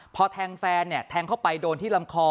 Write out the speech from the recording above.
พอแทงแฟนแทงเข้าไปโดนที่ลำคอ